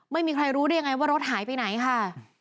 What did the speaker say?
ไม่มีใครรู้ได้ยังไงว่ารถหายไปไหนค่ะ